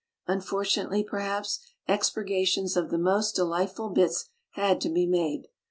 Unfortunately, perhaps, ex purgations of the most delightful bits had to be made.